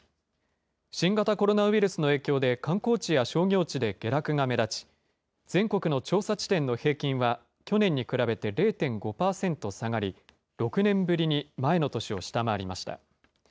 新型コロナウイルスの影響で、観光地や商業地で下落が目立ち、全国の調査地点の平均は去年に比べて０．５％下がり、６年ぶりに前の年を下回りました。